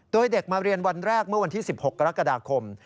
โดยเด็กมาเรียนวันแรกเมื่อวันที่๑๖กรกฎาคม